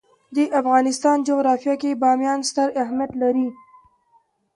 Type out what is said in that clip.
د افغانستان جغرافیه کې بامیان ستر اهمیت لري.